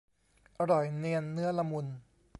อร่อยเนียนเนื้อละมุน